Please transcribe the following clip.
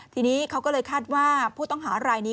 ทีนี้เขาก็เลยคาดว่าผู้ต้องหารายนี้